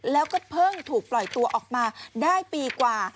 แล้วก็เพิ่งถูกปล่อยตัวออกมาได้ปีกว่า